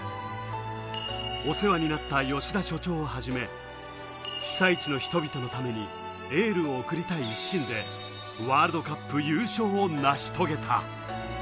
お世話になった吉田所長をはじめ、被災地の人々のためにエールを送りたい一心で、ワールドカップ優勝を成し遂げた。